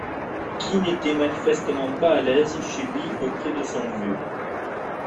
qui n’était manifestement pas à l’aise chez lui auprès de son vieux